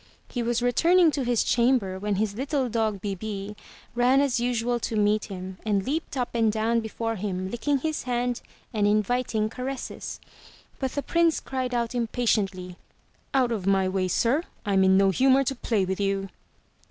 He was returning to his chamber when his little dog, Bibi, ran as usual to meet him, and leaped up and down before him Ucking his hand and inviting caresses. But the Prince cried out impatiently; Out of my way, sir! Tm in no humor to play with you!